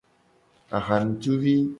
Ahanutuvi.